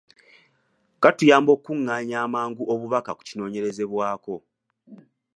Kaatuyamba okukungaanya amangu obubaka ku kinoonyerezebwako.